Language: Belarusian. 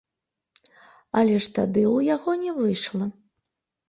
Але ж тады ў яго не выйшла.